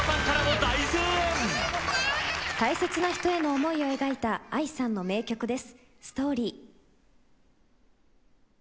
大切な人への思いを描いた ＡＩ さんの名曲です。